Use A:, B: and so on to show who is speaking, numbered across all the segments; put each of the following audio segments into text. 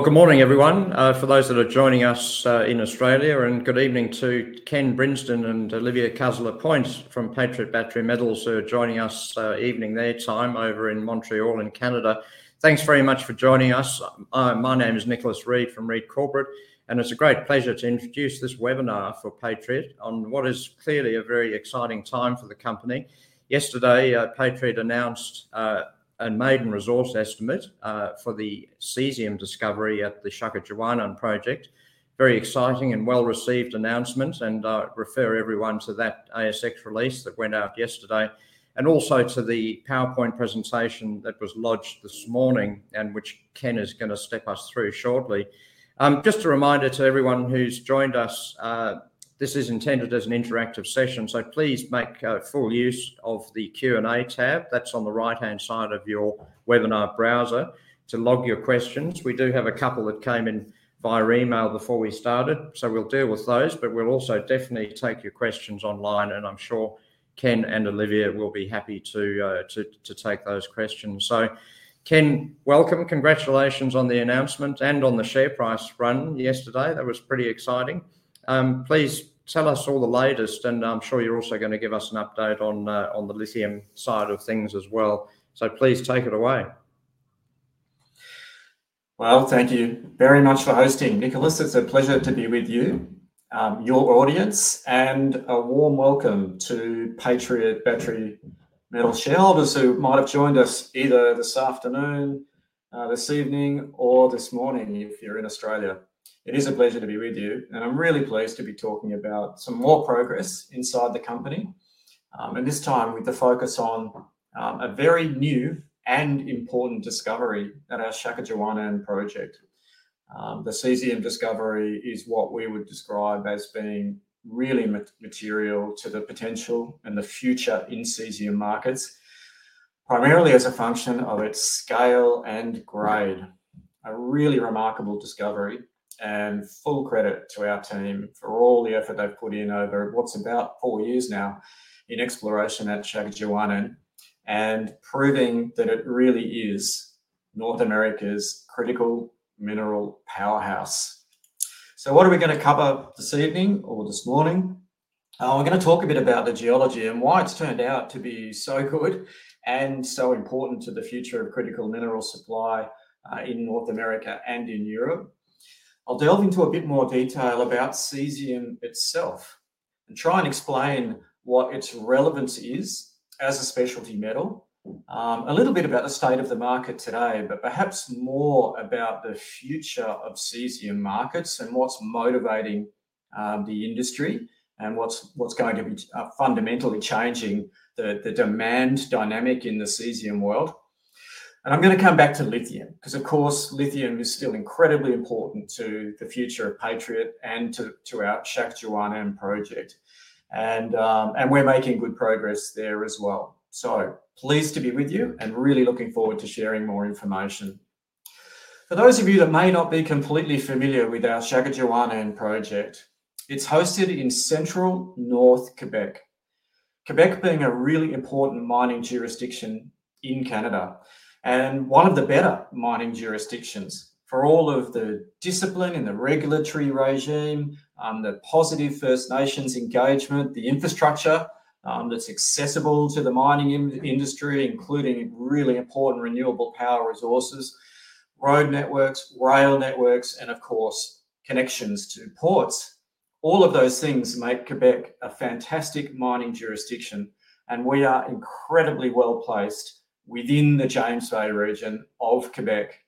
A: Good morning everyone for those that are joining us in Australia. Good evening to Ken Brinsden and Olivier Caza-Lapointe from Patriot Battery Metals joining us evening their time over in Montreal in Canada. Thanks very much for joining us. My name is Nicholas Read from Read Corporate and it's a great pleasure to introduce this webinar for Patriot on what is clearly a very exciting time for the company. Yesterday Patriot announced a maiden resource estimate for the cesium discovery at the Shawinigan Project. Very exciting and well received announcement and refer everyone to that ASX release that went out yesterday and also to the PowerPoint presentation that was lodged this morning and which Ken is going to step us through shortly. Just a reminder to everyone who's joined us, this is intended as an interactive session, so please make full use of the Q&A tab that's on the right hand side of your webinar browser to log your questions. We do have a couple that came in via email before we started, so we'll deal with those. We'll also definitely take your questions online and I'm sure Ken and Olivier will be happy to take those questions. Ken, welcome. Congratulations on the announcement and on the share price run yesterday. That was pretty exciting. Please tell us all the latest and I'm sure you're also going to give us an update on the lithium side of things as well, so please take it away.
B: Thank you very much for hosting, Nicholas. It's a pleasure to be with you, your audience, and a warm welcome to Patriot Battery Metals shareholders who might have joined us either this afternoon, this evening, or this morning if you're in Australia. It is a pleasure to be with you and I'm really pleased to be talking about some more progress inside the company, this time with the focus on a very new and important discovery at our Shawinigan Project. The cesium discovery is what we would describe as being really material to the potential and the future in cesium markets, primarily as a function of its scale and grade. A really remarkable discovery and full credit to our team for all the effort they've put in over what's about four years now in exploration at Shawinigan and proving that it really is North America's critical mineral powerhouse. What are we going to cover this evening or this morning? I'm going to talk a bit about the geology and why it's turned out to be so good and so important to the future of critical mineral supply in North America and in Europe. I'll delve into a bit more detail about cesium itself, try and explain what its relevance is as a specialty metal. A little bit about the state of the market today, but perhaps more about the future of cesium markets and what's motivating the industry and what's going to be fundamentally changing the demand dynamic in the cesium world. I'm going to come back to lithium because, of course, lithium is still incredibly important to the future of Patriot and to our Shawinigan Project. We're making good progress there as well. Pleased to be with you and really looking forward to sharing more information. For those of you that may not be completely familiar with our Shawinigan Project, it's hosted in central north Quebec. Quebec is a really important mining jurisdiction in Canada and one of the better mining jurisdictions for all of the discipline and the regulatory regiment and the positive First Nations engagement, the infrastructure that's accessible to the mining industry, including really important renewable power resources, road networks, rail networks, and, of course, connections to ports, all of those things make Quebec a fantastic mining jurisdiction. We are incredibly well placed within the James Bay region of Quebec.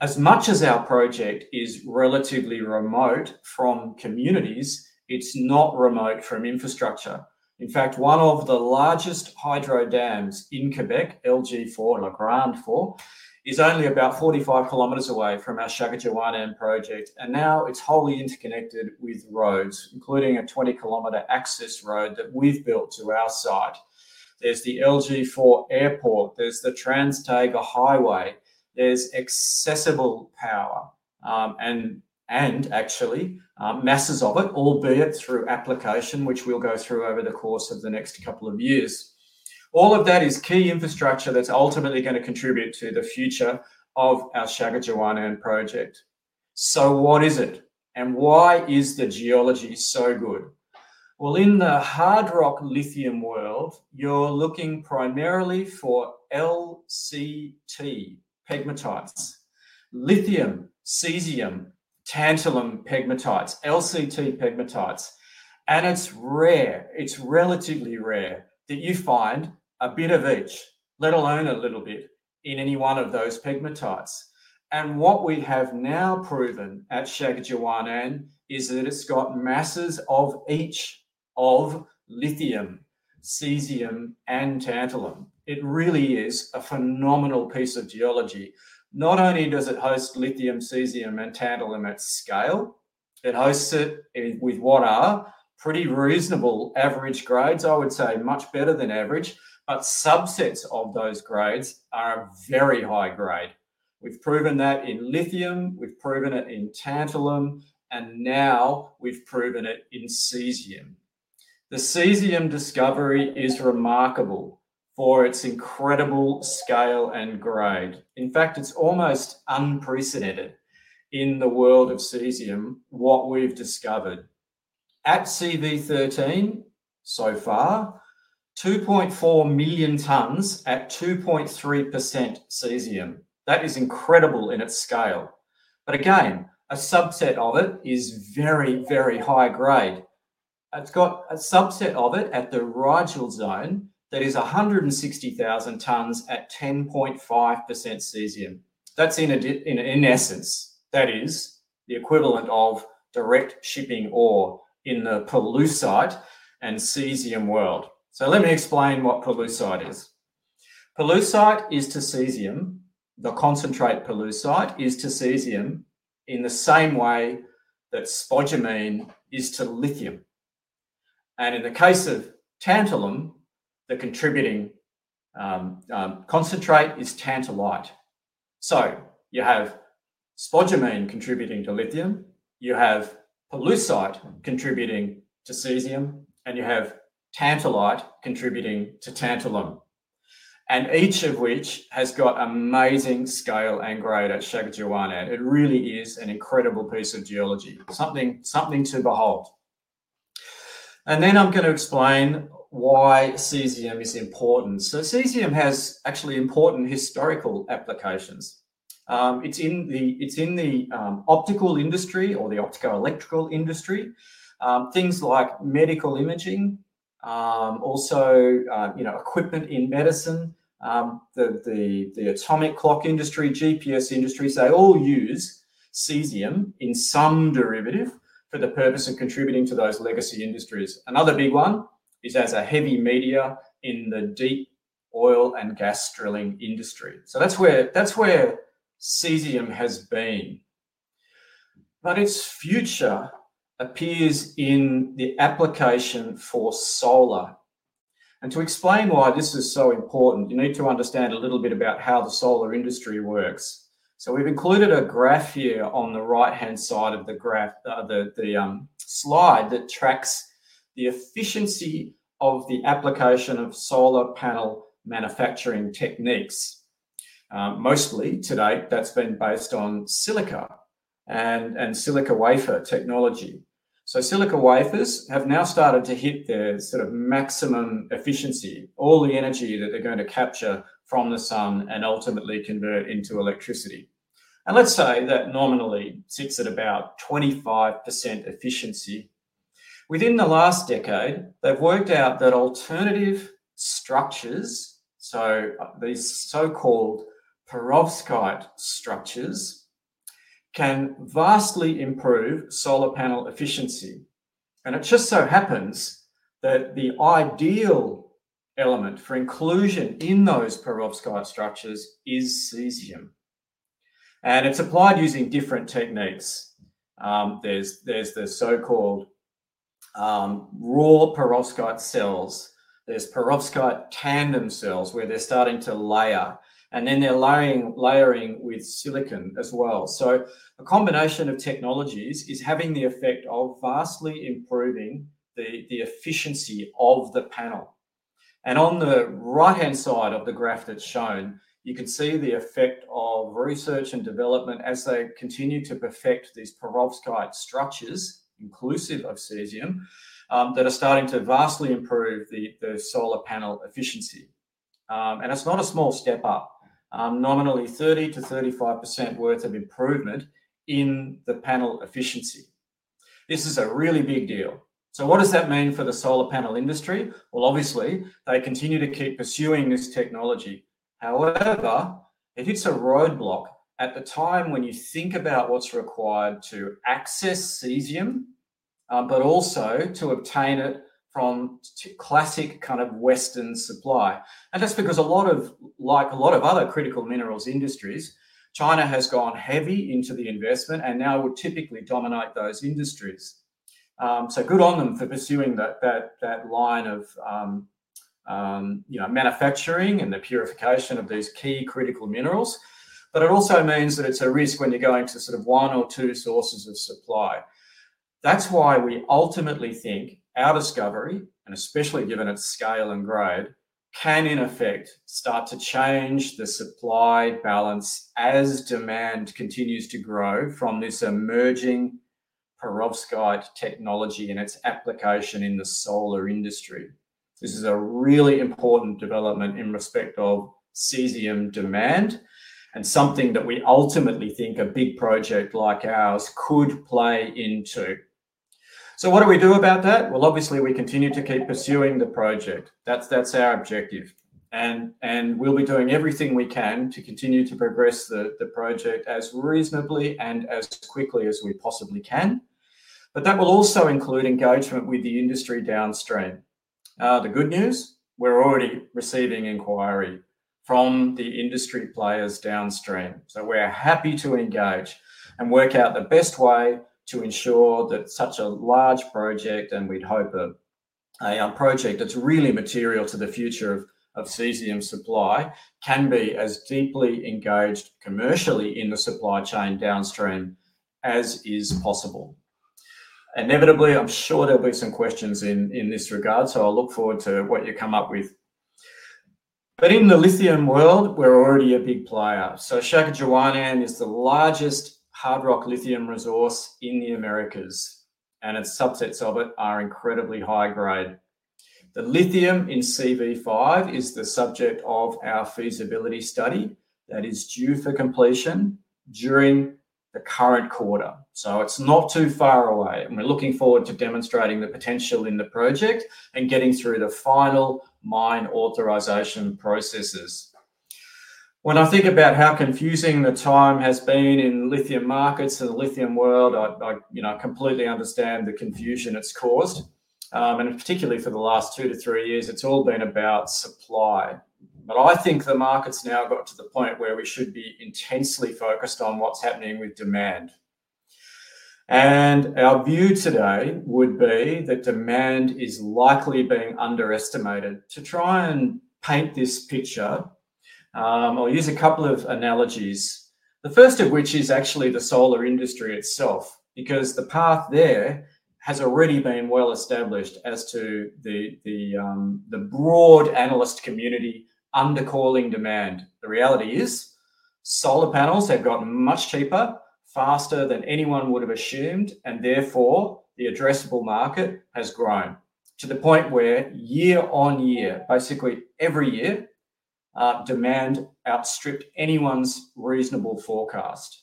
B: As much as our project is relatively remote from communities, it's not remote from infrastructure. In fact, one of the largest hydro dams in Quebec, LG4, La Grande-4, is only about 45 km away from Shawinigan Project. Now it's wholly interconnected with roads, including a 20 kilometer access road that we've built to our site. There's the LG4 airport, there's the Trans-Taiga highway. There's accessible power and actually masses of it, albeit through application, which we'll go through over the course of the next couple of years. All of that is key infrastructure that's ultimately going to contribute to the future of Shawinigan Project. What is it and why is the geology so good? In the hard rock lithium world, you're looking primarily for LCT pegmatites. Lithium, cesium, tantalum pegmatites, LCT pegmatites. It's relatively rare that you find a bit of each, let alone a little bit in any one of those pegmatites. What we have now at Shawinigan is that it's got masses of each of lithium, cesium, and tantalum. It really is a phenomenal piece of geology. Not only does it host lithium, cesium, and tantalum at scale, it hosts it with what are pretty reasonable average grades, I would say much better than average. Subsets of those grades are very high grade. We've proven that in lithium, we've proven it in tantalum, and now we've proven it in cesium. The cesium discovery is remarkable for its incredible scale and grade. In fact, it's almost unprecedented in the world of cesium, what we've discovered. At CV13 so far, 2.4 million tons at 2.3% cesium, that is incredible in its scale. Again, a subset of it is very, very high grade. It's got a subset of it at the Rigel zone that is 160,000 tons at 10.5% cesium. In essence, that is the equivalent of direct shipping ore in the pollucite and cesium world. Let me explain what pollucite is. Pollucite is to cesium, the concentrate pollucite is to cesium in the same way that spodumene is to lithium. In the case of tantalum, the contributing concentrate is tantalite. You have spodumene contributing to lithium, you have pollucite contributing to cesium, and you have tantalite contributing to tantalum. Each of which has got amazing scale and at Shawinigan. It really is an incredible piece of geology, something to behold. I'm going to explain why cesium is important. Cesium has actually important historical applications. It's in the optical industry or the optical electrical industry, things like medical imaging, also, you know, equipment in medicine, the atomic clock industry, GPS industries, they all use cesium in some derivative for the purpose of contributing to those legacy industries. Another big one is as a heavy media in the deep oil and gas drilling industry. That's where cesium has been. Its future appears in the application for solar. To explain why this is so important, you need to understand a little bit about how the solar industry works. We've included a graph here on the right hand side of the slide that tracks the efficiency of the application of solar panel manufacturing techniques. Mostly to date that's been based on silica and silica wafer technology. Silica wafers have now started to hit their sort of maximum efficiency, all the energy that they're going to capture from the sun and ultimately convert into electricity. Let's say that nominally sits at about 25% efficiency. Within the last decade they've worked out that alternative structures, so these so-called perovskite structures, can vastly improve solar panel efficiency. It just so happens that the ideal element for inclusion in those perovskite structures is cesium. It's applied using different techniques. There's the so-called raw perovskite cells, there's perovskite tandem cells where they're starting to layer and then they're layering with silicon as well. A combination of technologies is having the effect of vastly improving the efficiency of the panel. On the right hand side of the graph that's shown, you can see the effect of research and development as they continue to perfect these perovskite structures inclusive of cesium that are starting to vastly improve the solar panel efficiency. It's not a small step up, nominally 30%-35% worth of improvement in the panel efficiency. This is a really big deal. What does that mean for the solar panel industry? Obviously they continue to keep pursuing this technology. However, it hits a roadblock at the time when you think about what's required to access cesium, but also to obtain it from classic kind of western supply, and that's because a lot of, like a lot of other critical minerals industries, China has gone heavy into the investment and now would typically dominate those industries. Good on them for pursuing that line of manufacturing and the purification of these key critical minerals. It also means that it's a risk when you're going to sort of one or two sources of supply. That's why we ultimately think our discovery, and especially given its scale and grade, can in effect start to change the supply balance as demand continues to grow from this emerging perovskite technology and its application in the solar industry. This is a really important development in respect of cesium demand and something that we ultimately think a big project like ours could play into. What do we do about that? Obviously, we continue to keep pursuing the project. That's our objective and we'll be doing everything we can to continue to progress the project as reasonably and as quickly as we possibly can. That will also include engagement with the industry downstream. The good news, we're already receiving inquiry from the industry players downstream. We're happy to engage and work out the best way to ensure that such a large project, and we'd hope that a project that's really material to the future of cesium supply, can be as deeply engaged commercially in the supply chain downstream as is possible. Inevitably, I'm sure there'll be some questions in this regard, so I'll look forward to what you come up with. In the lithium world, we're already a big player. Shawinigan is the largest hard rock lithium resource in the Americas, and its subsets of it are incredibly high grade. The lithium in CV5 is the subject of our feasibility study that is due for completion during the current quarter. It's not too far away and we're looking forward to demonstrating the potential in the project and getting through the final mine authorization processes. When I think about how confusing the time has been in lithium markets and the lithium world, I completely understand the confusion it's caused. Particularly for the last two to three years it's all been about supply. I think the market's now got to the point where we should be intensely focused on what's happening with demand. Our view today would be that demand is likely being underestimated. To try and paint this picture, I'll use a couple of analogies, the first of which is actually the solar industry itself, because the path there has already been well established as to the broad analyst community under calling demand, the reality is solar panels have gotten much cheaper, faster than anyone would have assumed, and therefore the addressable market has grown to the point where year-on-year, basically every year, demand outstripped anyone's reasonable forecast.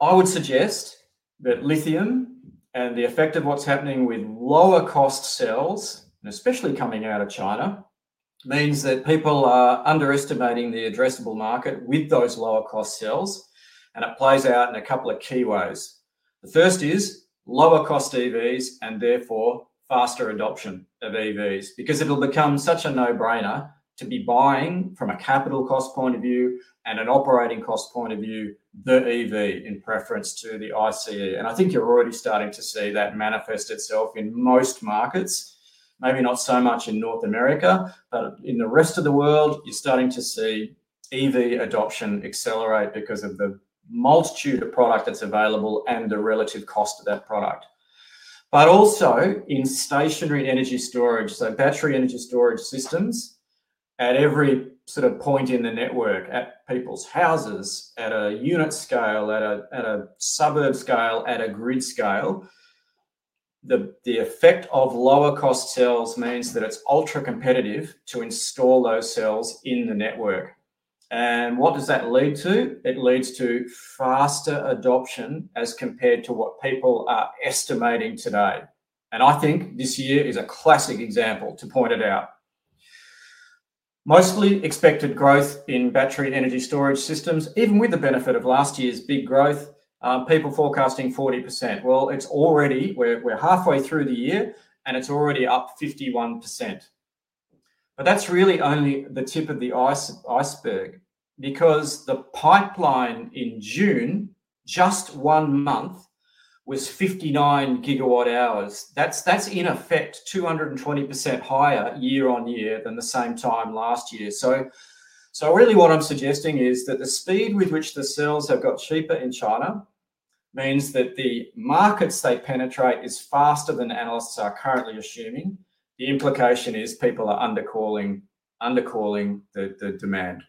B: I would suggest that lithium and the effect of what's happening with lower cost cells, and especially coming out of China, means that people are underestimating the addressable market with those lower cost cells. It plays out in a couple of key ways. The first is lower cost EVs and therefore faster adoption of EVs, because it'll become such a no brainer to be buying from a capital cost point of view and an operating cost point of view, the EV in preference to the ICE. I think you're already starting to see that manifest itself in most markets, maybe not so much in North America, but in the rest of the world. You're starting to see EV adoption accelerate because of the multitude of product that's available and the relative cost of that product, but also in stationary and energy storage. Battery energy storage systems at every sort of point in the network, at people's houses, at a unit scale, at a suburb scale, at a grid scale. The effect of lower cost cells means that it's ultra competitive to install those cells in the network. What does that lead to? It leads to faster adoption as compared to what people are estimating today. I think this year is a classic example to point it out. Mostly expected growth in battery and energy storage systems, even with the benefit of last year's big growth. People forecasting 40%. It's already, we're halfway through the year and it's already up 51%. That's really only the tip of the iceberg because the pipeline in June, just one month, was 59 GW hours. That's in effect 220% higher year-on-year than the same time last year. Really what I'm suggesting is that the speed with which the cells have got cheaper in China means that the markets they penetrate is faster than analysts are currently assuming. The implication is people are under calling, under calling the demand.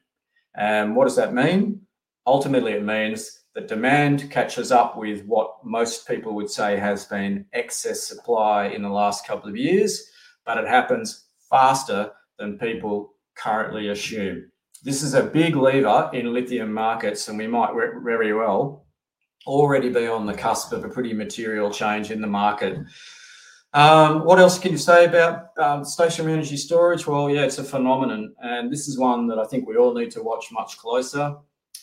B: What does that mean? Ultimately it means that demand catches up with what most people would say has been excess supply in the last couple of years, but it happens faster than people currently assume. This is a big lever in lithium markets and we might very well already be on the cusp of a pretty material change in the market. What else can you say about stationary energy storage? It's a phenomenon and this is one that I think we all need to watch much closer.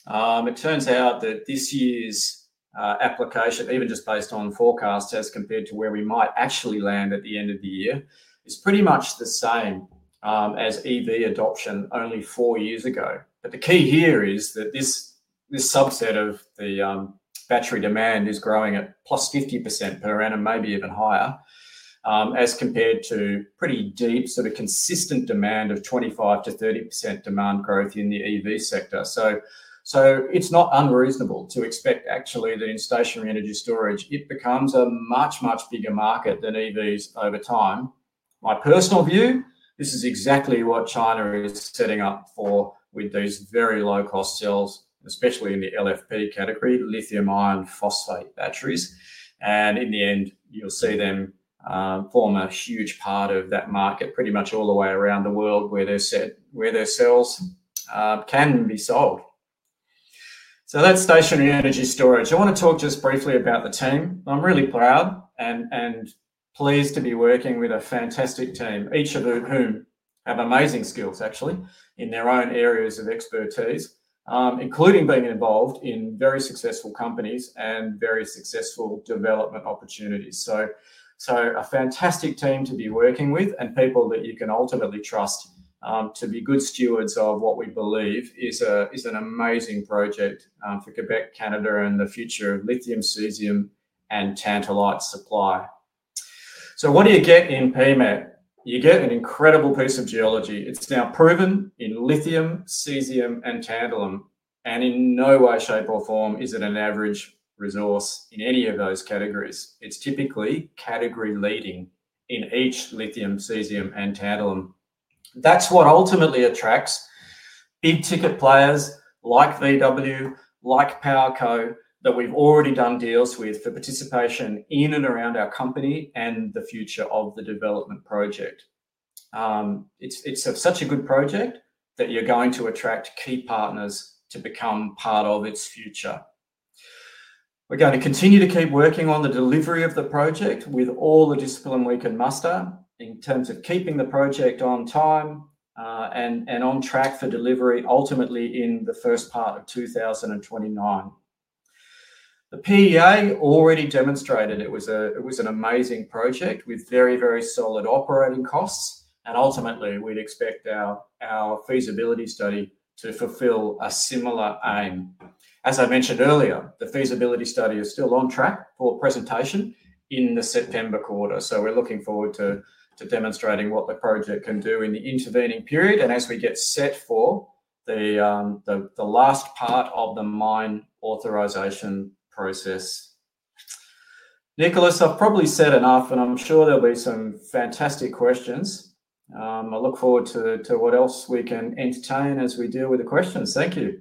B: It turns out that this year's application, even just based on forecast as compared to where we might actually land at the end of the year, is pretty much the same as EV adoption only four years ago. The key here is that this subset of the battery demand is growing at +50% per annum, maybe even higher as compared to pretty deep sort of consistent demand of 25%-30% demand growth in the EV sector. It's not unreasonable to expect actually then stationary energy storage, it becomes a much, much bigger market than EVs over time. My personal view, this is exactly what China is setting up for with these very low cost cells, especially in the LFP category, lithium iron phosphate batteries. In the end you'll see them form a huge part of that market pretty much all the way around the world, where they're set, where their cells can be sold. That's stationary energy storage. I want to talk just briefly about the team. I'm really proud and pleased to be working with a fantastic team, each of whom have amazing skills actually in their own areas of expertise, including being involved in very successful companies and very successful development opportunities. A fantastic team to be working with and people that you can ultimately trust to be good stewards of what we believe is an amazing project for Quebec, Canada and the future of lithium, cesium and tantalite supply. What do you get in PMET? You get an incredible piece of geology. It's now proven in lithium, cesium and tantalum and in no way, shape or form is it an average resource in any of those categories. It's typically category leading in each lithium, cesium and tantalum. That's what ultimately attracts big ticket players like VW, like PowerCo, that we've already done deals with for participation in and around our company and the future of the development project. It's such a good project that you're going to attract key partners to become part of its future. We're going to continue to keep working on the delivery of the project with all the discipline we can muster in terms of keeping the project on time and on track for delivery, ultimately, in the first part of 2029. The PEA already demonstrated it was an amazing project with very, very solid operating costs, and ultimately we'd expect our feasibility study to fulfill a similar aim. As I mentioned earlier, the feasibility study is still on track for presentation in the September quarter. We're looking forward to demonstrating what the project can do in the intervening period. As we get set for the last part of the mine authorization process. Nicholas, I've probably said enough and I'm sure there'll be some fantastic questions. I look forward to what else we can entertain as we deal with the questions. Thank you.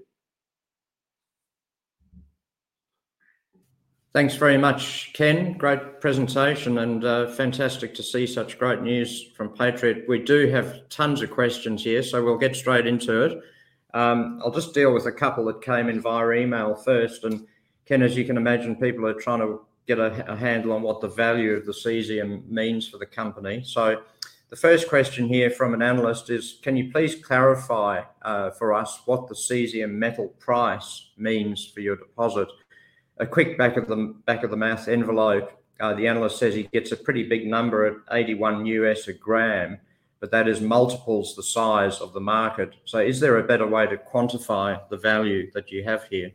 A: Thanks very much, Ken. Great presentation and fantastic to see such great news from Patriot. We do have tons of questions here, so we'll get straight into it. I'll just deal with a couple that came in via email first. Ken, as you can imagine, people are trying to get a handle on what the value of the cesium means for the company. The first question here from an analyst is can you please clarify for us what the cesium metal price means for your deposit? A quick back of the math envelope. The analyst says he gets a pretty big number at $81 a gram, but that is multiples the size of the market. Is there a better way to quantify the value that you have here?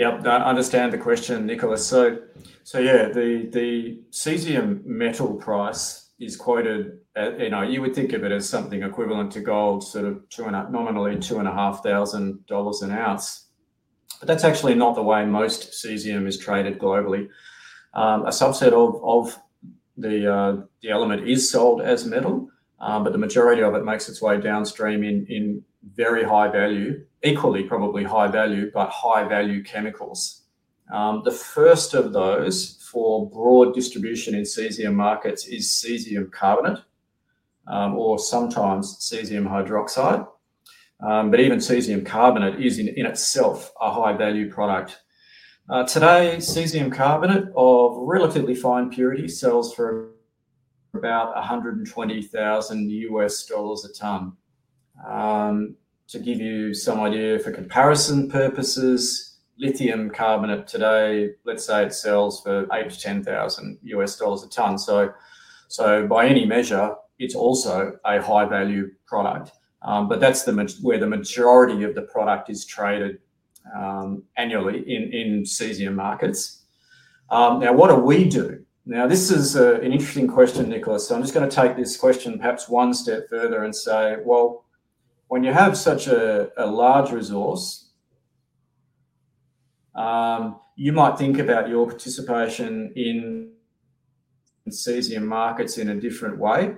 B: Yes, I understand the question, Nicholas. The cesium metal price is quoted. You would think of it as something equivalent to gold, sort of two and a nominally $2,500 an ounce, but that's actually not the way most cesium is traded globally. A subset of the element is sold as metal, but the majority of it makes its way downstream in very high value, equally probably high value, but high value chemicals. The first of those for broad distribution in cesium markets is cesium carbonate or sometimes cesium hydroxide. Even cesium carbonate is in itself a high value product. Today, cesium carbonate of relatively fine purity sells for about $120,000 a ton. To give you some idea for comparison purposes, lithium carbonate today, let's say it sells for $8,000 or $10,000 a ton. By any measure it's also a high value product, but that's where the majority of the product is traded annually in cesium markets. Now, what do we do? This is an interesting question, Nicholas, so I'm just going to take this question perhaps one step further and say, when you have such a large resource, you might think about your participation in cesium markets in a different way,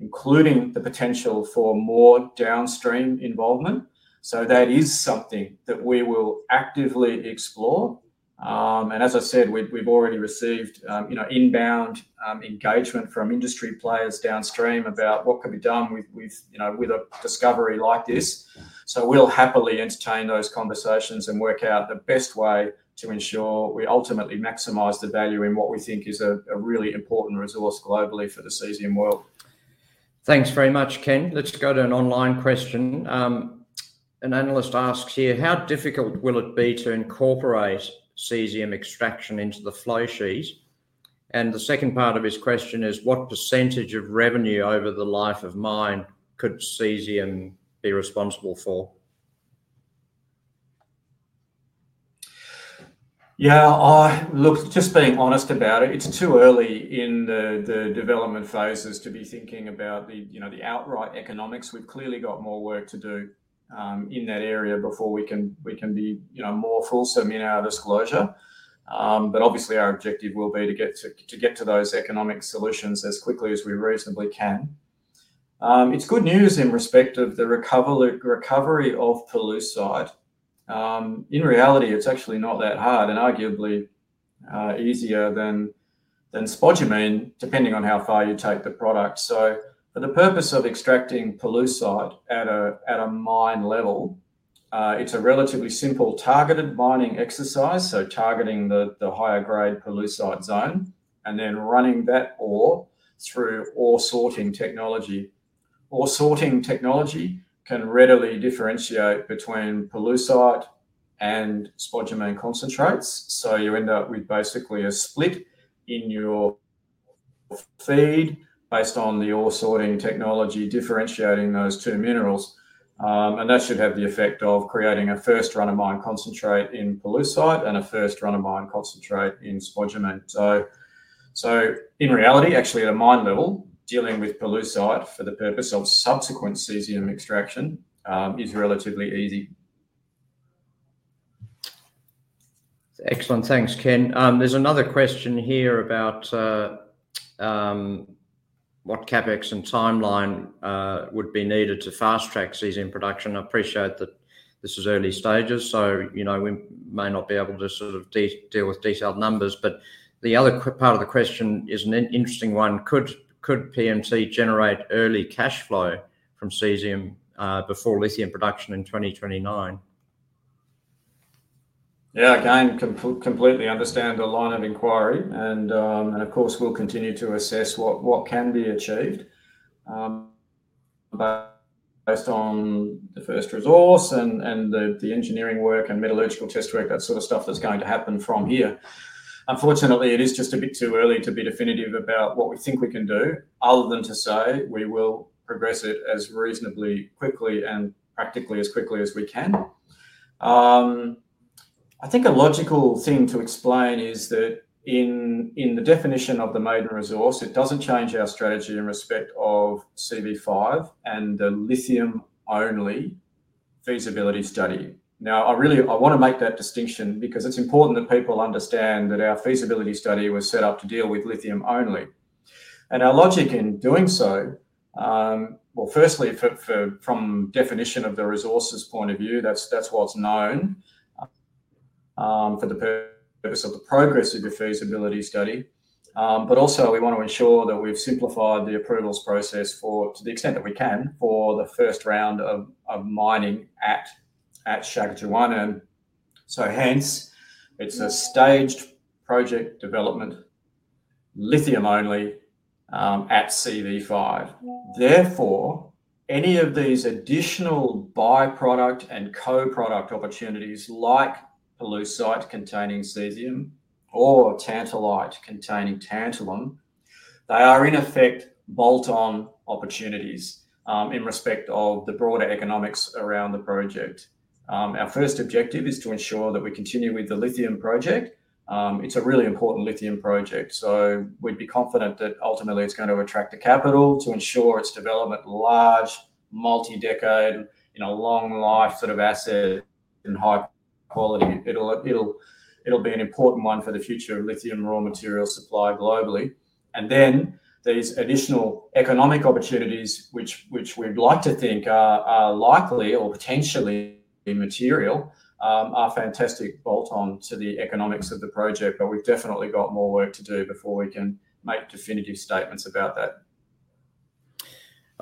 B: including the potential for more downstream involvement. That is something that we will actively explore and as I said, we've already received inbound engagement from industry players downstream about what could be done with a discovery like this. We'll happily entertain those conversations and work out the best way to ensure we ultimately maximize the value in what we think is a really important resource globally for the cesium world.
A: Thanks very much, Ken. Let's go to an online question. An analyst asks here, how difficult will it be to incorporate cesium extraction into the flow sheet? The second part of his question is what percentage of revenue over the life of mine could cesium be responsible for?
B: Yeah. Look, just being honest about it, it's too early in the development phases to be thinking about the outright economics. We've clearly got more work to do in that area before we can be more fulsome in our disclosure, but obviously our objective will be to get to those economic solutions as quickly as we reasonably can. It's good news in respect of the recovery of pollucite. In reality, it's actually not that hard and arguably easier than spodumene, depending on how far you take the product. For the purpose of extracting pollucite at a mine level, it's a relatively simple targeted mining execise, so targeting the higher grade pollucite zone and then running that ore through ore sorting technology. Ore sorting technology can readily differentiate between pollucite and spodumene concentrates. You end up with basically a split in your feed based on the ore sorting technology differentiating those two minerals, and that should have the effect of creating a first run of mine concentrate in pollucite and a first run of mine concentrate in spodumene. In reality, actually at a mine level, dealing with pollucite for the purpose of subsequent cesium extraction is relatively easy.
A: Excellent. Thanks, Ken. There's another question here about what CapEx and timeline would be needed to fast track cesium production. I appreciate that this is early stages, so we may not be able to sort of deal with detailed numbers, but the other part of the question is an interesting one. Could PMT generate early cash flow from cesium before lithium production in 2029?
B: Yeah, again, completely understand the line of inquiry, and of course we'll continue to assess what can be achieved based on the first resource and the engineering work and metallurgical test work, that sort of stuff that's going to happen from here. Unfortunately, it is just a bit too early to be definitive about what we think we can do other than to say we will progress it as reasonably quickly and practically as quickly as we can. I think a logical thing to explain is that in the definition of the maiden resource, it doesn't change our strategy in respect of CV5 and the lithium only feasibility study. I really want to make that distinction because it's important that people understand that our feasibility study was set up to deal with lithium only and our logic in doing so. Firstly, from definition of the resources point of view, that's what's known for the purpose of the progress of the feasibility study. Also, we want to ensure that we've simplified the approvals process to the extent that we can for the first round of mining at Shawinigan. Hence, it's a staged project development, lithium only at CV5. Therefore, any of these additional byproduct and co-product opportunities like pollucite containing cesium or tantalite containing tantalum, they are in effect bolt-on opportunities in respect of the broader economics around the project. Our first objective is to ensure that we continue with the lithium project. It's a really important lithium project. We'd be confident that ultimately it's going to attract the capital to ensure its development, large, multi-decade, long life sort of asset in high quality. It'll be an important one for the future of lithium raw material supply globally, and then these additional economic opportunities which we'd like to think are likely or potentially immaterial are fantastic bolt-on to the economics of the project. We've definitely got more work to do before we can make definitive statements about that.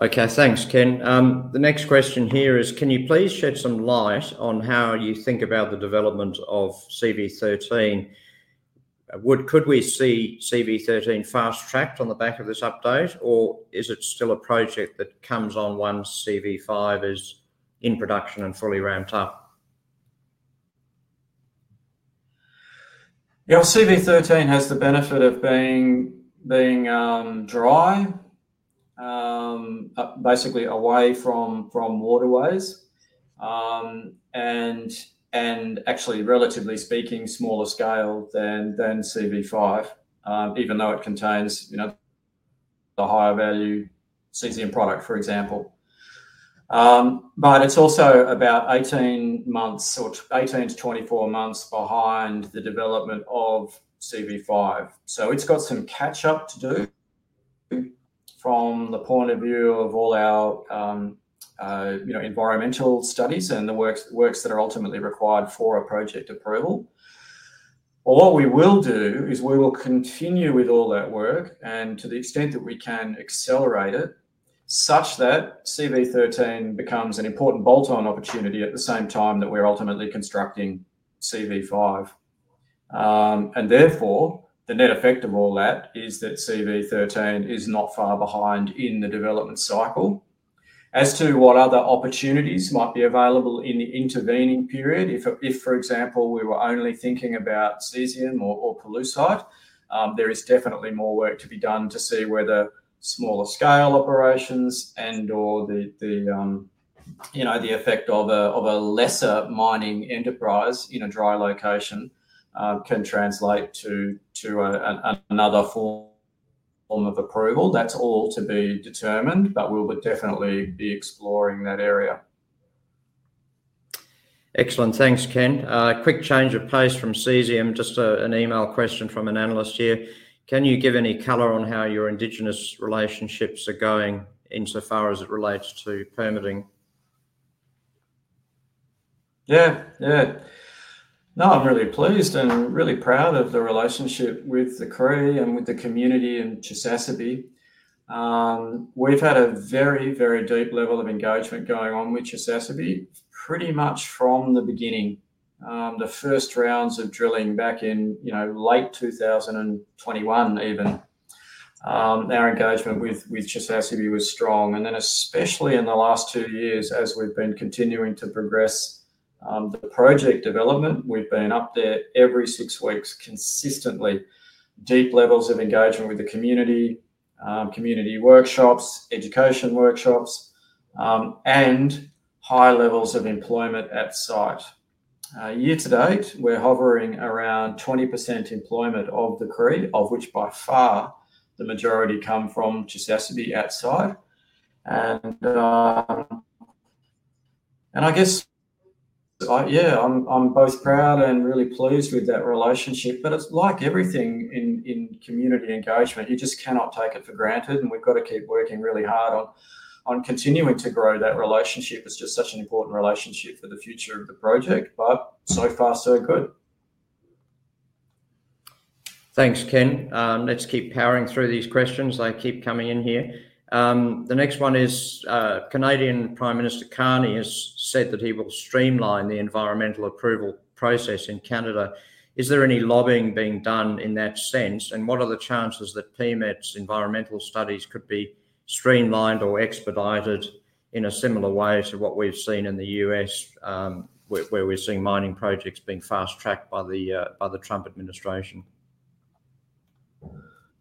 A: Okay, thanks Ken. The next question here is can you please shed some light on how you think about the development of CV13? Could we see CV13 fast tracked on the back of this update, or is it still a project that comes on once CV5 is in production and fully ramped up?
B: Your CV13 has the benefit of being dry, basically away from waterways and actually, relatively speaking, smaller scale than CV5 even though it contains the higher value cesium product, for example. It's also about 18-24 months behind the development of CV5. It's got some catch up to do from the point of view of all our environmental studies and the works that are ultimately required for a project approval. All we will do is we will continue with all that work and to the extent that we can accelerate it such that CV13 becomes an important bolt-on opportunity at the same time that we're ultimately constructing CV5. Therefore, the net effect of all that is that CV13 is not far behind in the development cycle as to what other opportunities might be available in the intervening period. If, for example, we were only thinking about cesium or pellucid, there is definitely more work to be done to see whether smaller scale operations and, or the effect of a lesser mining enterprise in a dry location can translate to another form of approval. That's all to be determined but we would definitely be exploring that area.
A: Excellent. Thanks Ken. Quick change of pace from cesium. Just an email question from an analyst here. Can you give any color on how your Indigenous relationships are going too insofar as it relates to permitting?
B: Yeah, yeah, no, I'm really pleased and really proud of the relationship with the crew and with the community in Chisasibi. We've had a very, very deep level of engagement going on with Chisasibi pretty much from the beginning. The first rounds of drilling back in, you know, late 2021 even, our engagement with Chisasibi was strong. Especially in the last two years as we've been continuing to progress the project development, we've been up there every six weeks, consistently deep levels of engagement with the community, community workshops, education workshops, and high levels of employment at site. Year to date we're hovering around 20% employment of the Cree, of which by far the majority come from just outside Chisasibi, and I guess, yeah, I'm both proud and really pleased with that relationship. It's like everything in community engagement, you just cannot take it for granted. We've got to keep working really hard on continuing to grow that relationship. It's just such an important relationship for the future of the project. So far, so good.
A: Thanks, Ken. Let's keep powering through these questions. They keep coming in here. The next one is Canadian Prime Minister Carney has said that he will streamline the environmental approval process in Canada. Is there any lobbying being done in that sense? What are the chances that PMET's environmental studies could be streamlined or expedited in a similar way to what we've seen in the U.S. where we're seeing mining projects being fast tracked by the Trump administration?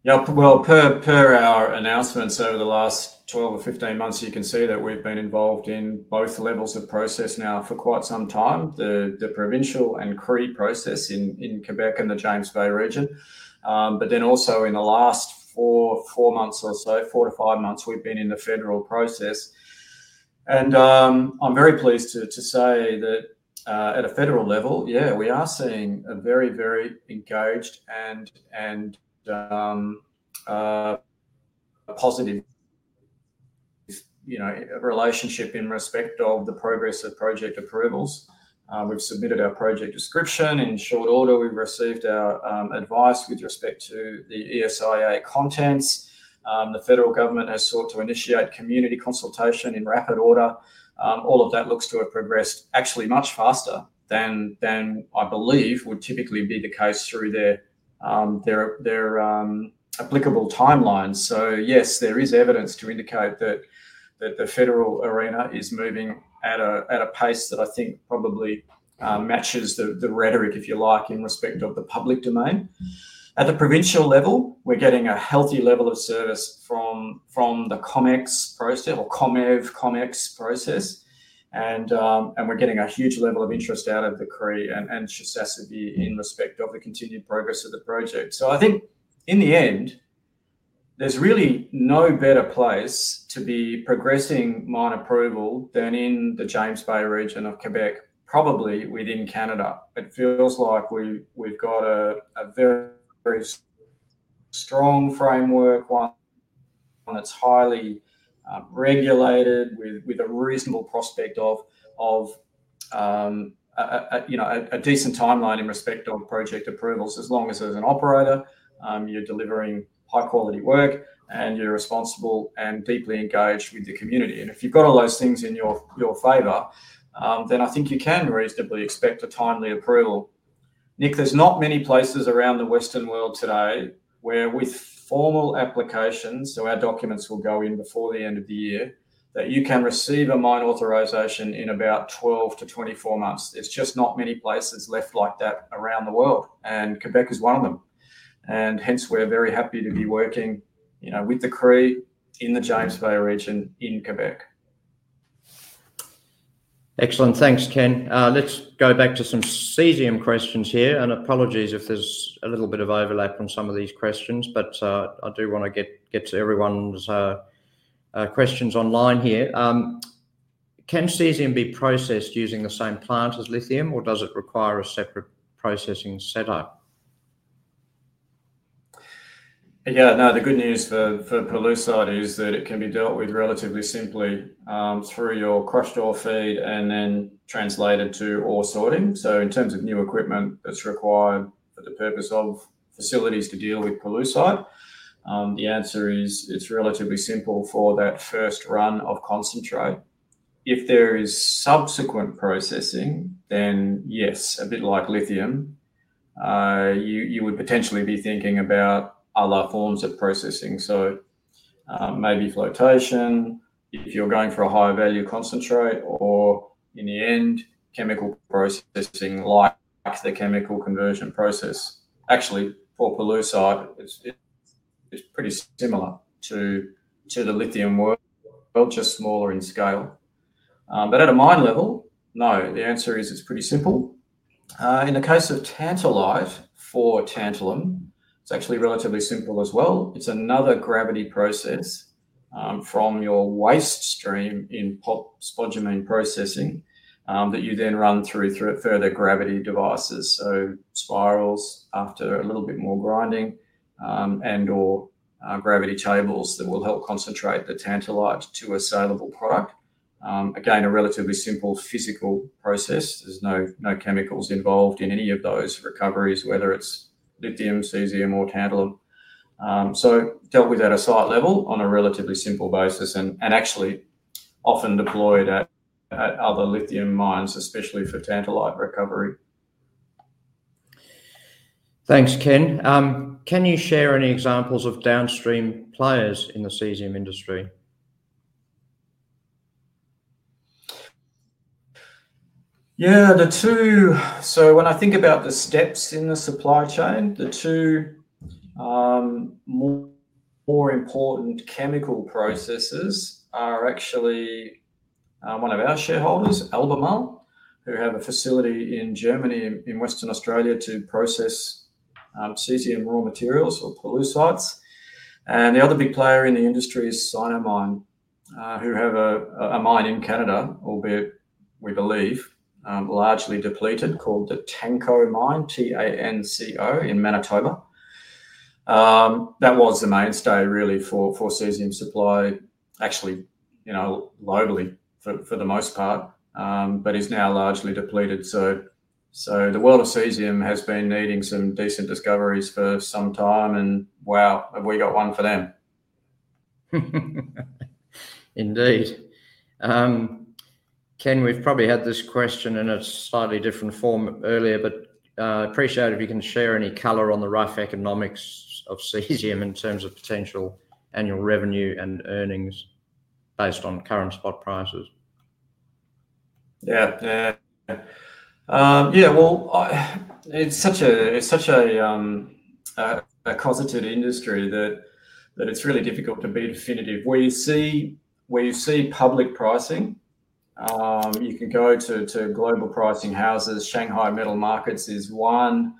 B: Yes. Per our announcements over the last 12-15 months, you can see that we've been involved in both levels of process now for quite some time. The provincial and Cree process in Quebec and the James Bay region. In the last four months or so, four or five months, we've been in the federal process. I'm very pleased to say that at a federal level, yeah, we are seeing a very, very engaged and positive, you know, relationship in respect of the progress of project approvals. We've submitted our project description and in short order we've received our advice with respect to the ESIA contents. The federal government has sought to initiate community consultation in rapid order. All of that looks to have progressed actually much faster than I believe would typically be the case through their applicable timelines. Yes, there is evidence to indicate that the federal arena is moving at a pace that I think probably matches the rhetoric, if you like, in respect of the public domain. At the provincial level, we're getting a healthy level of service from the COMEX process, and we're getting a huge level of interest out of the Cree in respect of the continued progress of the project. I think in the end, there's really no better place to be progressing mine approval than in the James Bay region of Quebec, probably within Canada. It feels like we've got a very strong framework that's highly regulated with a reasonable prospect of, you know, a decent timeline in respect of project approvals. As long as there's an operator, you're delivering high quality work and you're responsible and deeply engaged with the community. If you've got all those things in your favor, then I think you can reasonably expect a timely approval. Nick, there's not many places around the Western world today where with formal applications, our documents will go in before the end of the year, that you can receive a mine authorization in about 12-24 months. It's just not many places left like that around the world and Quebec is one of them. Hence, we're very happy to be working with the Cree in the James Bay region in Quebec.
A: Excellent. Thanks, Ken. Let's go back to some cesium questions here, and apologies if there's a little bit of overlap on some of these questions, but I do want to get to everyone's questions online here. Can cesium be processed using the same plant as lithium or does it require a separate processing setup?
B: Yeah, no. The good news for pollucite is that it can be dealt with relatively simply through your crush-draw feed and then translated to ore sorting. In terms of new equipment that's required for the purpose of facilities to deal with pollucite, the answer is it's relatively simple for that first run of concentrate. If there is subsequent processing, then yes, a bit like lithium, you would potentially be thinking about other forms of processing. Maybe flotation if you're going for a higher value concentrate, or in the end, chemical processing like the chemical conversion process. Actually, for pollucite it's pretty similar to the lithium one, just smaller in scale. But at a mine level, no, the answer is it's pretty simple. In the case of tantalite for tantalum, it's actually relatively simple as well. It's another gravity process from your waste stream in spodumene processing that you then run through further gravity devices, so spirals after a little bit more grinding and gravity tables that will help concentrate the tantalite to a saleable product. Again, a relatively simple physical process. There's no chemicals involved in any of those recoveries, whether it's lithium, cesium, or tantalum. Dealt with at a site level on a relatively simple basis and actually often deployed at other lithium mines, especially for tantalite recovery.
A: Thanks, Ken. Can you share any examples of downstream planning players in the cesium industry?
B: Yeah, the two. So when I think about the steps in the supply chain, the two more important chemical processes are actually one of our shareholders, Albemarle, who have a facility in Germany, in Western Australia, to process cesium raw materials or pollucites. The other big player in the industry is Sinomine, who have a mine in Canada, albeit we believe, largely depleted, called the Tanco mine, T-A-N-C-O, in Manitoba, that was the mainstay really for cesium supply, actually locally for the most part, but is now largely depleted. The world of cesium has been needing some decent discoveries for some time and wow, have we got one for them.
A: Indeed. Ken, we've probably had this question in a slightly different form earlier, but I appreciate if you can share any color on the rough economics of cesium in terms of potential annual revenue and earnings based on current spot prices.
B: Yeah, it's such a closeted industry that it's really difficult to be definitive. Where you see public pricing, you can go to global pricing houses. Shanghai Metal Markets is one.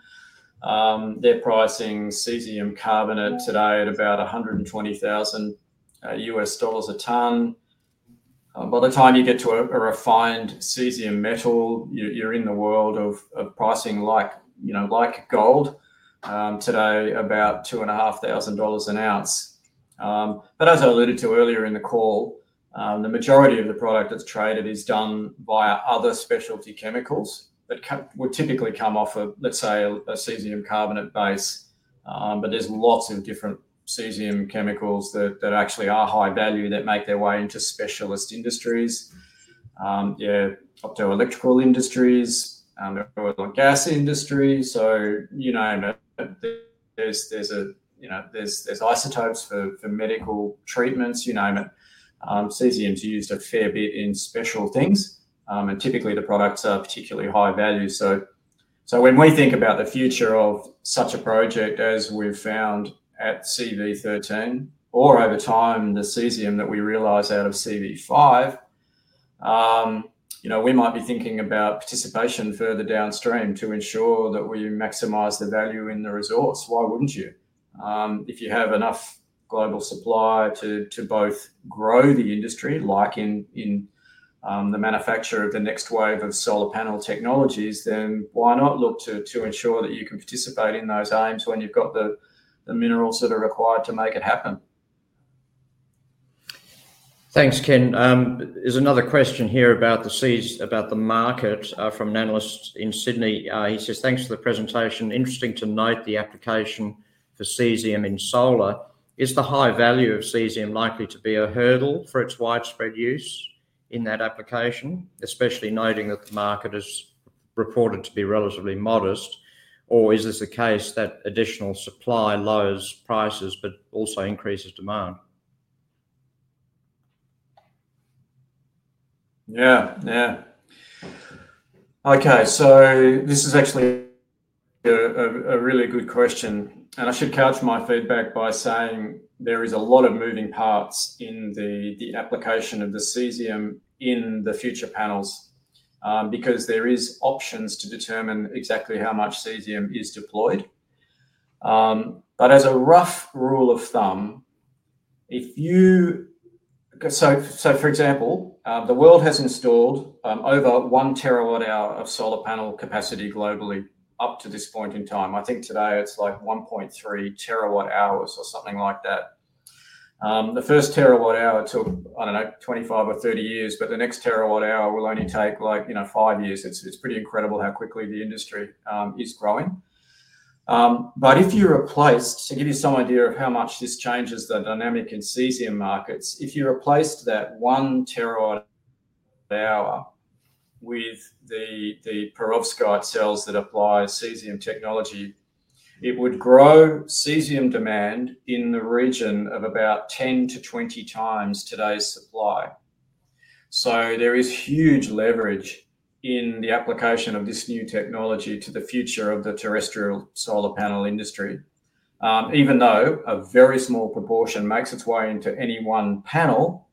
B: They're pricing cesium carbonate today at about $120,000 a ton. By the time you get to a refined cesium metal, you're in the world of pricing like, you know, like gold today, about $2,500 an ounce. As I alluded to earlier in the call, the majority of the product that's traded is done via other specialty chemicals that would typically come off of, let's say, a cesium carbonate base. There's lots of different cesium chemicals that actually are high value that make their way into specialist industries, optoelectrical industries, like gas industry, you name it. There's isotopes for medical treatments, you name it. Cesium's used a fair bit in special things and typically the products are particularly high value. When we think about the future of such a project, as we've found at CV13, or over time, the cesium that we realize out of CV5, we might be thinking about participation further downstream to ensure that we maximize the value in the resource. Why wouldn't you? If you have enough global supply to both grow the industry, like in the manufacture of the next wave of solar panel technologies, then why not look to ensure that you can participate in those aims when you've got the minerals that are required to make it happen?
A: Thanks, Ken. There's another question here about cesium, about the market from an analyst in Sydney. He says. Thanks for the presentation. Interesting to note the application for cesium in solar. Is the high value of cesium likely to be a hurdle for its widespread use in that application? Especially noting that the market is reported to be relatively modest. Is this the case that additional supply lowers prices but also increases demand?
B: Yeah, okay. This is actually a really good question and I should catch my feedback by saying there is a lot of moving parts in the application of the cesium in the future panels because there is options to determine exactly how much cesium is deployed. As a rough rule of thumb, for example, the world has installed over 1 terawatt hour of solar panel capacity globally up to this point in time. I think today it's like 1.3 terawatt hours or something like that. The first terawatt hour took, I don't know, 25 or 30 years, but the next terawatt hour will only take like, you know, five years. It's pretty incredible how quickly the industry is growing. To give you some idea of how much this changes the dynamic in cesium markets, if you replaced that 1 terawatt hour with the perovskite cells that applies cesium technology, it would grow cesium demand in the region of about 10-20 times today's supply. There is huge leverage in the application of this new technology to the future of the terrestrial solar panel industry. Even though a very small proportion makes its way into any one panel,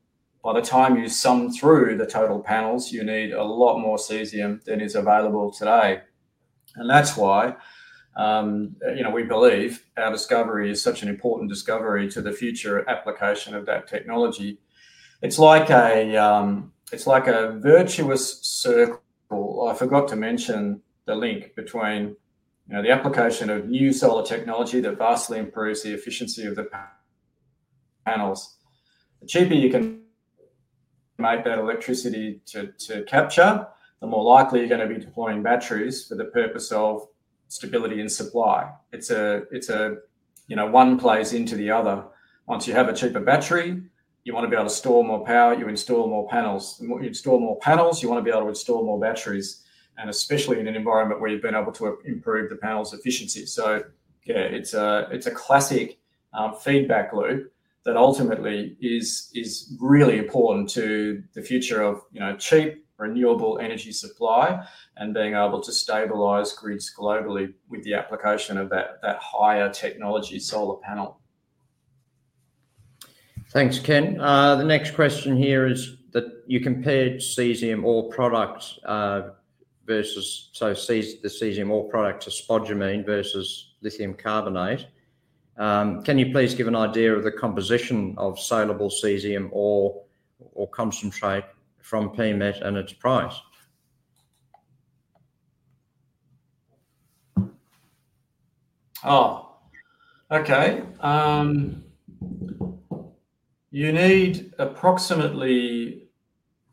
B: by the time you sum through the total panels, you need a lot more cesium than is available today. That's why we believe our discovery is such an important discovery to the future application of that technology. It's like a virtuous circle. I forgot to mention the link between the application of new solar technology that vastly improves the efficiency of the panels. The cheaper you can make that electricity to capture, the more likely you're going to be deploying batteries for the purpose of stability and supply. One plays into the other. Once you have a cheaper battery, you want to be able to store more power, you install more panels, you install more panels, you want to be able to store more batteries, especially in an environment where you've been able to improve the panel's efficiency. It's a classic feedback loop that ultimately is really important to the future of cheap renewable energy supply and being able to stabilize grids globally with the application of that higher technology solar panel.
A: Thanks, Ken. The next question here is that you compared cesium ore products versus, the cesium ore products as spodumene versus lithium carbonate. Can you please give an idea of the composition of salable cesium ore concentrate from payment and its price?
B: Oh, okay. You need approximately,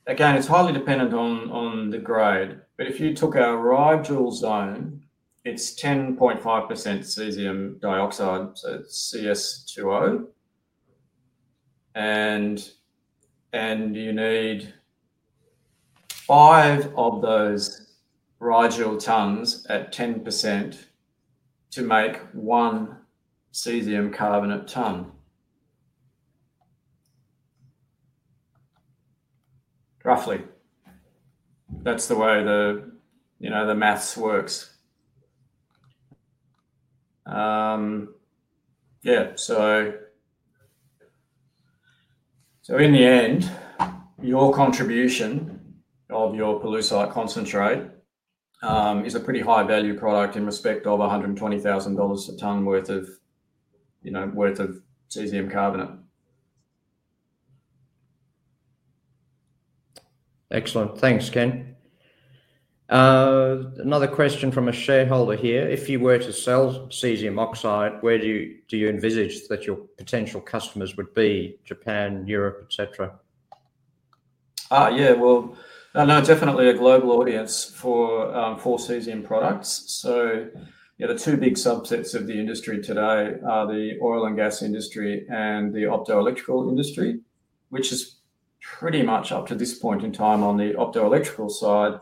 B: again, it's highly dependent on the grade, but if you took our Rigel zone, it's 10.5% cesium dioxide, so Cs2O, and you need five of those Rigel tonnes at 10% to make one cesium carbonate tonne. Roughly, that's the way the, you know, the maths works. Yeah. In the end, your contribution of your pollucite concentrate is a pretty high value product in respect of $120,000 a ton worth of, you know, worth of cesium carbonate.
A: Excellent. Thanks, Ken. Another question from a shareholder here. If you were to sell cesium oxide, where do you envisage that your potential customers would be, Japan, Europe, et cetera?
B: Yeah, definitely a global audience for four season products. The two big subsets of the industry today are the oil and gas industry and the optoelectrical industry, which is pretty much up to this point in time on the optoelectrical side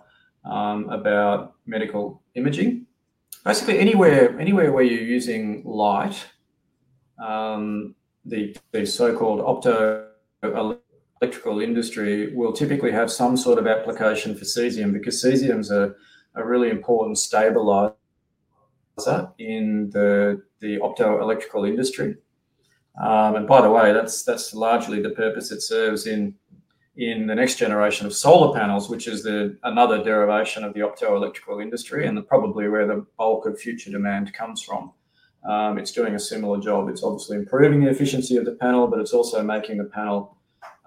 B: about medical imaging. Basically anywhere where you're using light, the so-called optoelectrical industry will typically have some sort of application for cesium because cesium's a really important stabilizer in the optoelectrical industry. By the way, that's largely the purpose it serves in the next generation of solar panels, which is another derivation of the optoelectrical industry and probably where the bulk of future demand comes from. It's doing a similar job. It's obviously improving the efficiency of the panel, but it's also making the panel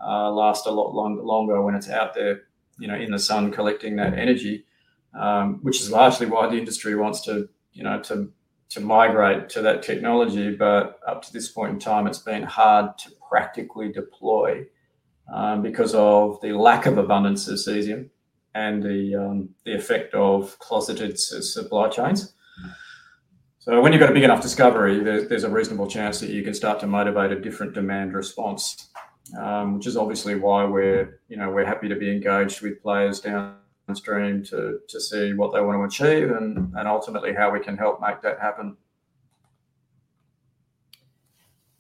B: last a lot longer when it's out there in the sun, collecting that energy. This is largely why the industry wants to migrate to that technology. Up to this point in time, it's been hard to practically deploy because of the lack of abundance of cesium and the effect of closeted supply chains. When you've got a big enough discovery, there's a reasonable chance that you can start to motivate a different demand response, which is obviously why we're happy to be engaged with players downstream to see what they want to achieve and ultimately how we can help make that happen.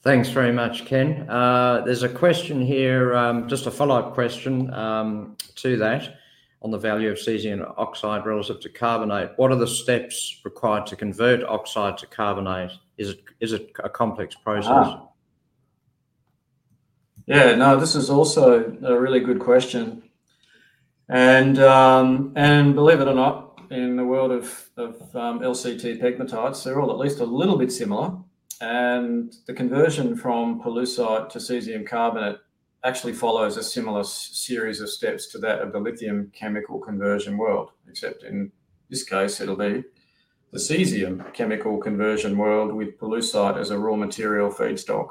A: Thanks very much, Ken. There's a question here, just a follow-up question to that, on the value of cesium oxide relative to carbonate. What are the steps required to convert oxide to carbonate? Is it a complex process?
B: Yeah. Now this is also a really good question and believe it or not, in the world of LCT pegmatites, they're all at least a little bit similar. The conversion from pollucite to cesium carbonate actually follows a similar series of steps to that of the lithium chemical conversion world, except in this case, it'll be the cesium chemical conversion world with pollucite as a raw material feedstock.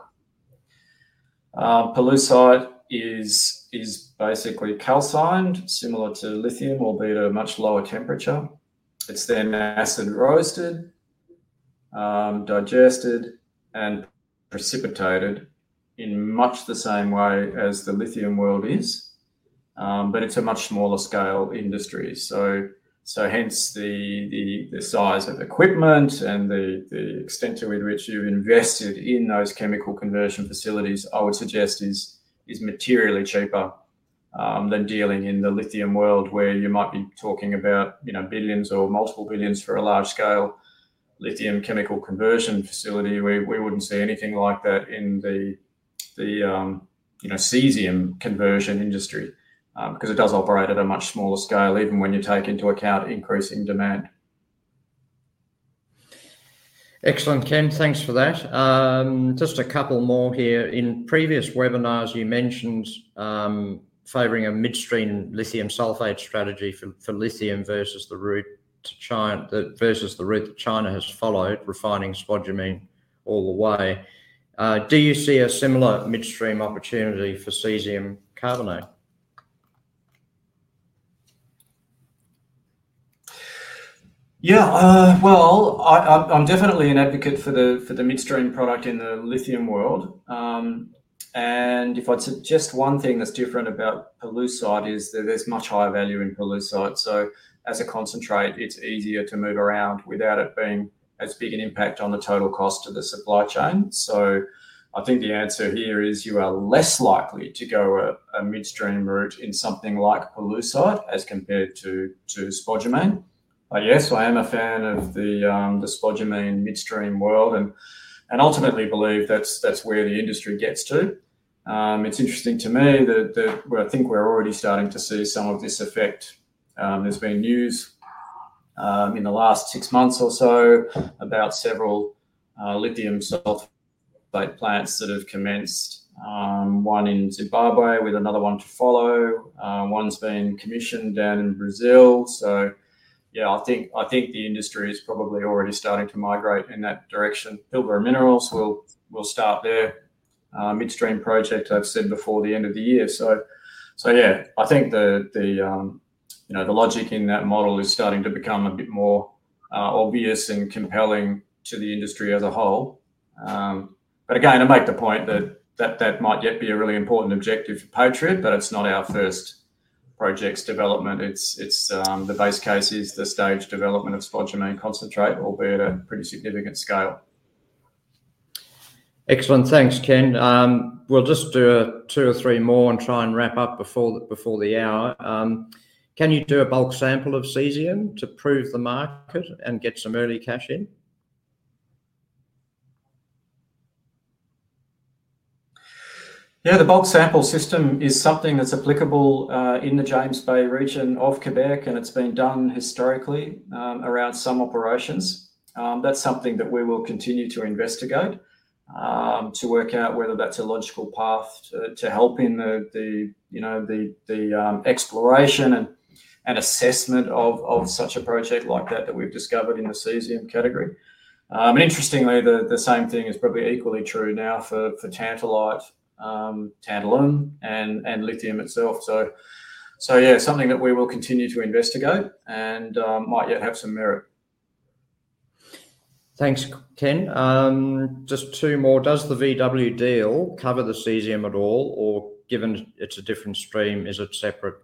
B: Pollucite is basically calcined, similar to lithium, albeit at a much lower temperature. It's then massed and roasted, digested, and precipitated in much the same way as the lithium world is. It's a much smaller scale industry, hence the size of equipment and the extent to which you've invested in those chemical conversion facilities is materially cheaper than dealing in the lithium world, where you might be talking about, you know, billions or multiple billions for a large scale lithium chemical conversion facility. We wouldn't see anything like that in the cesium conversion industry because it does operate at a much smaller scale, even when you take into account increasing demand.
A: Excellent, Ken, thanks for that. Just a couple more here. In previous webinars, you mentioned favoring a midstream lithium sulfate strategy for lithium versus the route to China versus the route that China has followed refining spodumene all the way. Do you see a similar midstream opportunity for cesium carbonate?
B: Yeah, I'm definitely an advocate for the midstream product in the lithium world. If I'd suggest one thing that's different about pollucite, it's that there's much higher value in pollucite. As a concentrate, it's easier to move around without it being as big an impact on the total cost of the supply chain. I think the answer here is you are less likely to go a midstream route in something like pollucite as compared to spodumene. Yes, I am a fan of the spodumene midstream world and ultimately believe that's where the industry gets to. It's interesting to me that I think we're already starting to see some of this effect. There's been news in the last six months or so about several lithium plants that have commenced. One in Zimbabwe with another one to follow. One's been commissioned down in Brazil. I think the industry is probably already starting to migrate in that direction. Silver and minerals, we'll start there. Midstream project, I've said before the end of the year. I think the logic in that model is starting to become a bit more obvious and compelling to the industry as a whole. Again, I make the point that that might yet be a really important objective for Patriot, but it's not our first project's development. The base case is the stage development of spodumene concentrate, albeit a pretty significant scale.
A: Excellent. Thanks, Ken. We'll just do two or three more and try and wrap up before the hour. Can you do a bulk sample of cesium to prove the market and get some early cash in?
B: Yeah, the bulk sample system is something that's applicable in the James Bay region of Quebec, and it's been done historically around some operations. That's something that we will continue to investigate to work out whether that's a logical path to help in the exploration and assessment of such a project like that that we've discovered in a cesium category. Interestingly, the same thing is probably equally true now for tantalite, tantalum, and lithium itself. Yeah, something that we will continue to investigate and might yet have some merit.
A: Thanks, Ken. Just two more. Does the VW deal cover the cesium at all, or given it's a different stream, is it separate?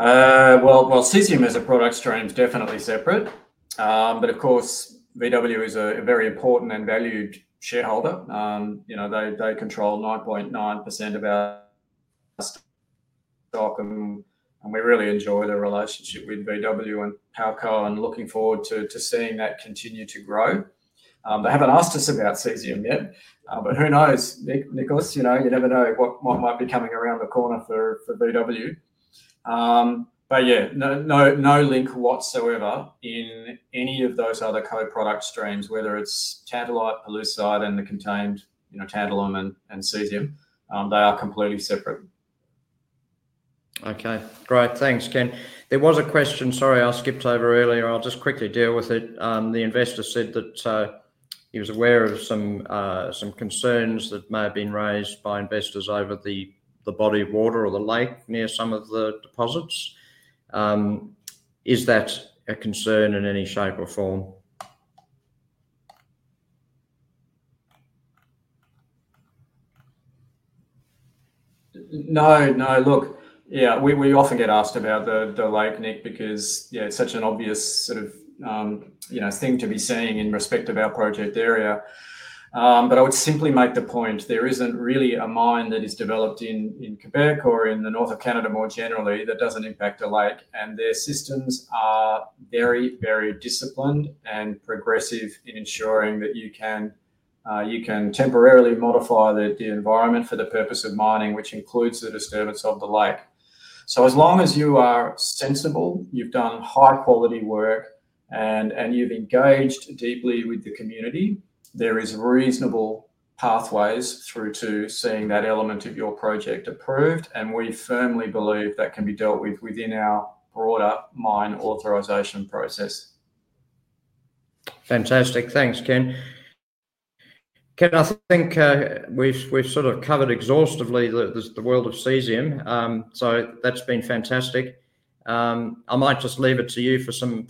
B: Cesium as a product stream is definitely separate, but of course VW is a very important and valued shareholder. They control 9.9% of our stock and we really enjoy the relationship with VW and PowerCo and looking forward to seeing that continue to grow. They haven't asked us about cesium yet, but who knows, Nicholas? You never know what might be coming around the corner for VW, but yeah, no link whatsoever in any of those other co-product streams, whether it's tantalite, pollucite, and the contained tantalum and cesium, they are completely separate.
A: Okay, great. Thanks, Ken. There was a question. Sorry I skipped over earlier. I'll just quickly deal with it. The investor said that he was aware of some concerns that may have been raised by investors over the body of water or the lake near some of the deposits. Is that a concern in any shape or form?
B: No, no, look. Yeah, we often get asked about the lake, Nick, because, yeah, it's such an obvious sort of thing to be saying in respect of our project area. I would simply make the point. There isn't really a mine that is developed in Quebec or in the north of Canada more generally that doesn't impact a lake. Their systems are very, very disciplined and progressive in ensuring that you can temporarily modify the environment for the purpose of mining, which includes the disturbance of the lake. As long as you are sensible, you've done high quality work and you've engaged deeply with the community, there is reasonable pathways through to seeing that element of your project approved. We firmly believe that can be dealt with within our broader mine authorization process.
A: Fantastic. Thanks, Ken. I think we've sort of covered exhaustively the world of cesium, so that's been fantastic. I might just leave it to you for some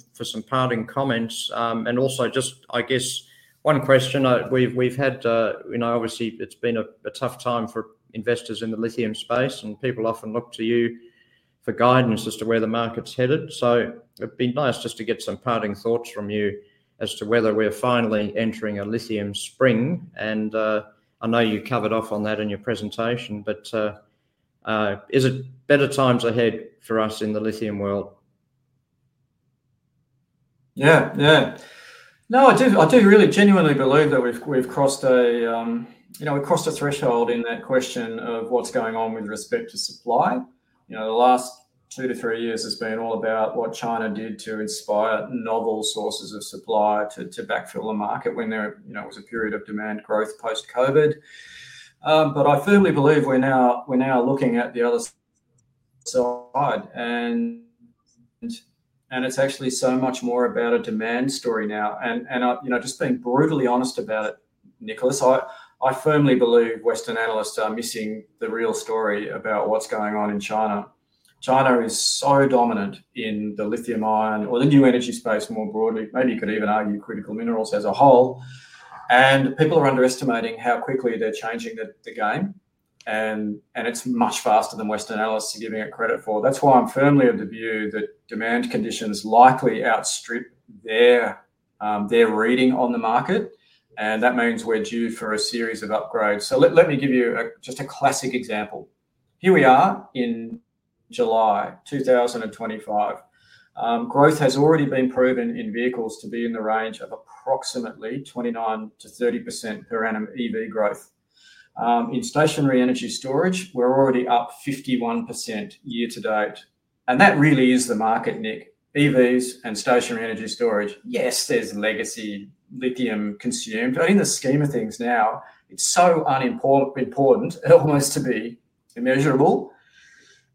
A: parting comments and also just, I guess one question we've had. You know, obviously it's been a tough time for investors in the lithium space and people often look to you for guidance as to where the market's headed. It'd be nice just to get some parting thoughts from you as to whether we're finally entering a lithium spring. I know you covered off on that in your presentation, but is it better times ahead for us in the lithium world?
B: Yeah. I do really genuinely believe that we've crossed a threshold in that question of what's going on with respect to support. The last two to three years has been all about what China did to inspire novel sources of supply to backfill the market when there was a period of demand growth post COVID. I firmly believe we're now looking at the other side and it's actually so much more about a demand story now. Just being brutally honest about it, Nicholas, I firmly believe Western analysts are missing the real story about what's going on in China. China is so dominant in the lithium ion or the new energy space more broadly and you could even argue critical minerals as a whole. People are underestimating how quickly they're changing the game and it's much faster than Western analysts are giving it credit for. That's why I'm firmly of the view that demand conditions likely outstrip their reading on the market and that means we're due for a series of upgrades. Let me give you just a classic example. Here we are in July 2025. Growth has already been proven in vehicles to be in the range of approximately 29%-30% per annum. EV growth in stationary energy storage, we're already up 51% year to date and that really is the market, Nick. EVs and stationary energy storage. Yes, there's legacy lithium consumed in the scheme of things now, it's so unimportant, almost to be immeasurable.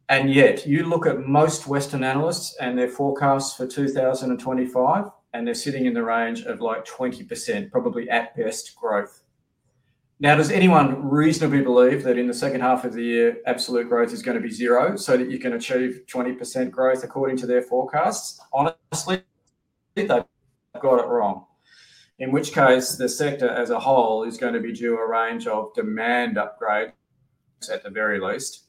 B: Yet you look at most Western analysts and their forecasts for 2025 and they're sitting in the range of like 20%, probably at best growth. Now, does anyone reasonably believe that in the second half of the year absolute growth is going to be zero, so that you can achieve 20% growth according to their forecast? Honestly, they got it wrong, in which case the sector as a whole is going to be due a range of demand upgrade at the very least.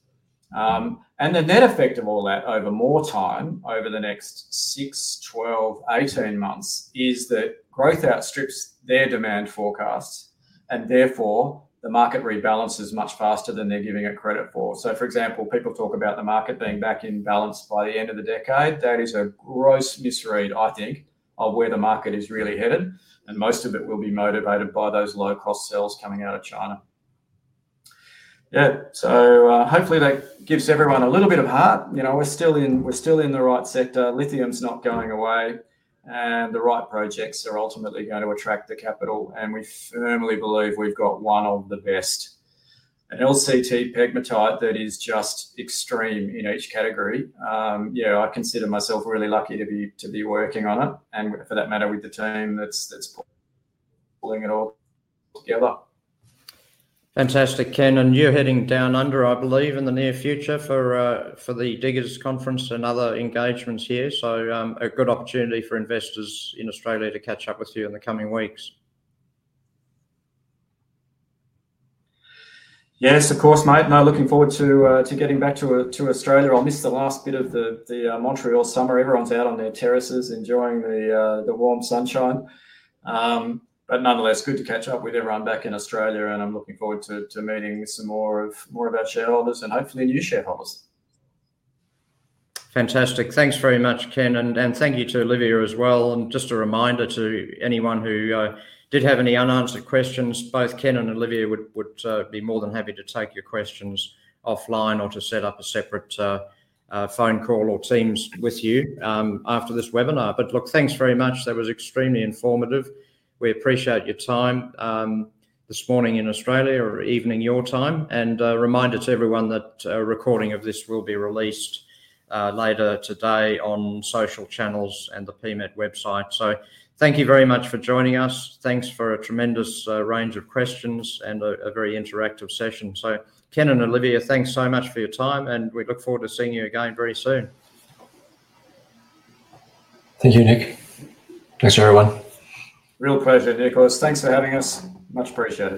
B: The net effect of all that over more time over the next 6, 12, 18 months is that growth outstrips their demand forecasts and therefore the market rebalances much faster than they're giving it credit for. For example, people talk about the market being back in balance by the end of the decade. That is a gross misread, I think, of where the market is really headed and most of it will be motivated by those low cost sales coming out of China. Hopefully that gives everyone a little bit of heart. We're still in the right sector. Lithium's not going away, and the right projects are ultimately going to attract the capital. We firmly believe we've got one of the best, an LCT pegmatite that is just extreme in each category. I consider myself really lucky to be working on it and for that matter with the team.
A: Fantastic, Ken. You're heading down under, I believe, in the near future for the Diggers Conference and other engagements here. A good opportunity for investors in Australia to catch up with you in the coming weeks.
B: Yes, of course, mate. No, looking forward to getting back to Australia. I'll miss the last bit of the Montreal summer. Everyone's out on their terraces enjoying the warm sunshine, but nonetheless, good to catch up with everyone back in Australia and I'm looking forward to meeting some more shareholders and hopefully new shareholders.
A: Fantastic. Thanks very much, Ken. And thank you to Olivier as well. Just a reminder to anyone who did have any unanswered questions, both Ken and Olivier would be more than happy to take your questions offline or to set up a separate phone call or Teams with you after this webinar. Look, thanks very much, that was extremely informative. We appreciate your time this morning in Australia or evening, your time. Reminder to everyone that a recording of this will be released later today on social channels and the PMET website. Thank you very much for joining us. Thanks for a tremendous range of questions and a very interactive session. Ken and Olivier, thanks so much for your time and we look forward to seeing you again very soon.
C: Thank you, Nick. Thanks, everyone.
B: Real pleasure. Nicholas, thanks for having us. Much appreciated.